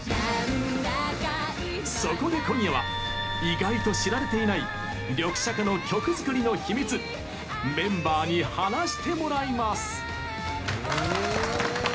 そこで今夜は意外と知られていないリョクシャカの曲作りの秘密メンバーに話してもらいます。